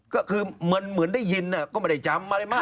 ก็คือเหมือนได้ยินก็ไม่ได้จำอะไรมาก